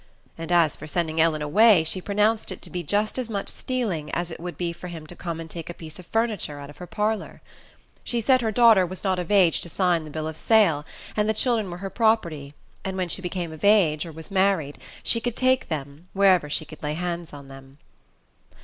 And as for sending Ellen away, she pronounced it to be just as much stealing as it would be for him to come and take a piece of furniture out of her parlor. She said her daughter was not of age to sign the bill of sale, and the children were her property; and when she became of age, or was married, she could take them, wherever she could lay hands on them.